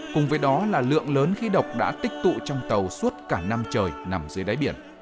cùng với đó là lượng lớn khí độc đã tích tụ trong tàu suốt cả năm trời nằm dưới đáy biển